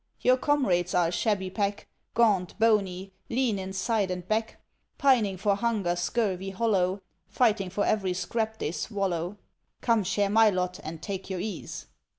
Your comrades are a shabby pack, Gaunt, bony, lean in side and back, Pining for hunger, scurvy, hollow, Fighting for every scrap they swallow. Come, share my lot, and take your ease."